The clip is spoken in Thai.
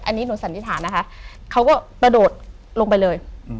อันนี้หนูสันนิษฐานนะคะเขาก็กระโดดลงไปเลย